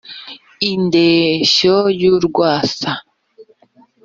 i ndeshyo y'urwasa: